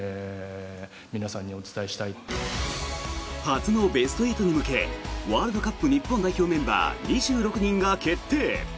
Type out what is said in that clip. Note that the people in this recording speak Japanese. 初のベスト８に向けワールドカップ日本代表メンバー２６人が決定。